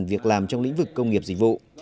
việc làm trong lĩnh vực công nghiệp dịch vụ